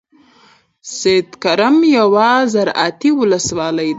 سیدکرم یوه زرعتی ولسوالۍ ده.